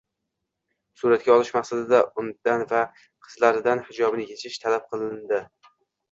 Suratga olish maqsadida undan va qizlaridan hijobni yechish talab kilindi